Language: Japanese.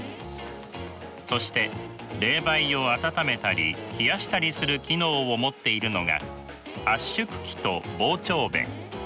そして冷媒を暖めたり冷やしたりする機能を持っているのが圧縮機と膨張弁。